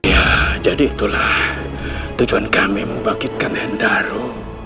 ya jadi itulah tujuan kami membangkitkan hendaro